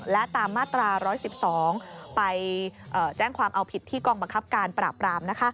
และตามมาตรา๑๑๒ไปแจ้งความเอาผิดที่กองบังคับการปราบราม